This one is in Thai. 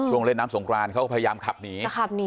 เล่นน้ำสงครานเขาก็พยายามขับหนี